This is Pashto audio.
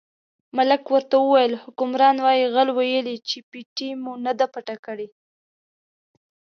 ملک ورته وویل حکمران وایي غل ویلي چې پېټۍ مو نه ده پټه کړې.